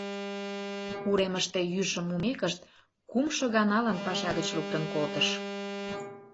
Уремыште йӱшым мумекышт, кумшо ганалан паша гыч луктын колтыш.